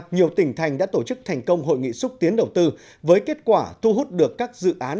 nhiều tỉnh thành đã tổ chức thành công hội nghị xúc tiến đầu tư với kết quả thu hút được các dự án